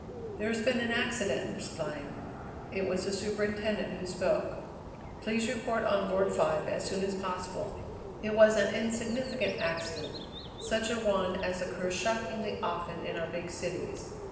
"There's been an accident, Miss Glynn." It was the superintendent who spoke. "Please report on Ward Five as soon as possible." It was an insignificant accident; such a one as occurs shockingly often in our big cities.